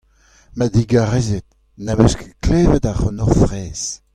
Ma digarezit, ne'm eus ket klevet ac'hanoc'h fraezh.